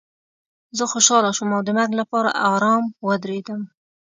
زه خوشحاله شوم او د مرګ لپاره ارام ودرېدم